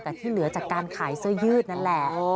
แต่ที่เหลือจากการขายเสื้อยืดนั่นแหละ